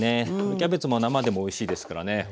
春キャベツも生でもおいしいですからね。